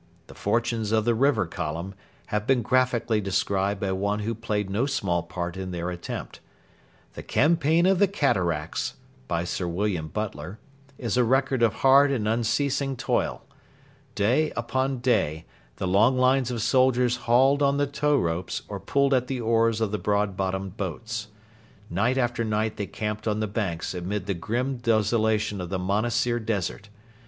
The fortunes of the River Column have been graphically described by one who played no small part in their attempt. 'The Campaign of the Cataracts' [By Sir William Butler] is a record of hard and unceasing toil. Day after day the long lines of soldiers hauled on the tow ropes or pulled at the oars of the broad bottomed boats. Night after night they camped on the banks amid the grim desolation of the Monassir Desert.